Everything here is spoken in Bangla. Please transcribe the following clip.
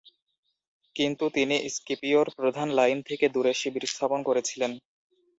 কিন্তু, তিনি স্কিপিওর প্রধান লাইন থেকে দূরে শিবির স্থাপন করেছিলেন।